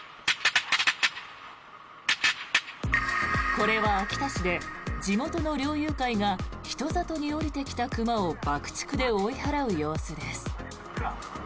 これは秋田市で地元の猟友会が人里に下りてきた熊を爆竹で追い払う様子です。